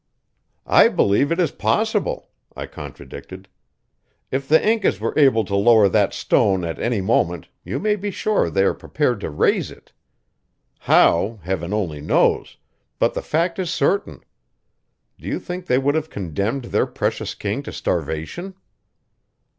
"I believe it is possible," I contradicted. "If the Incas were able to lower that stone at any moment you may be sure they are prepared to raise it. How, Heaven only knows; but the fact is certain. Do you think they would have condemned their precious king to starvation?"